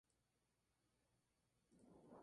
Dicha publicación solo sacó tres números.